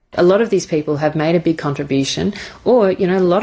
banyak orang ini telah membuat kontribusi yang besar